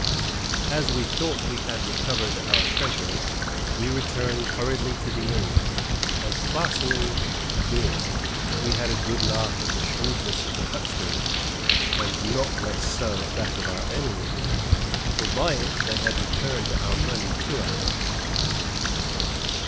As we thought we had recovered our treasure, we returned hurriedly to the inn, and fastening the door, we had a good laugh at the shrewdness of the hucksters, and not less so at that of our enemies, for by it they had returned our money to us.